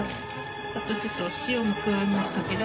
△ちょっと塩も加えましたけど。